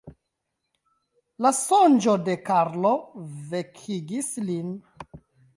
La sonĝo de Karlo vekigis lin.